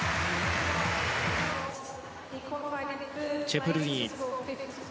チェプルニー。